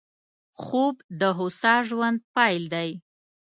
خوب د هوسا ژوند پيل دی